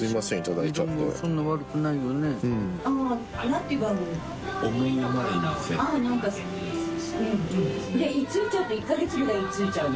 佑居ついちゃうと１か月ぐらい居ついちゃうの？